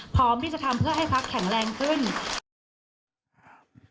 พร้อมที่จะทำเพื่อให้พักแข็งแรงขึ้น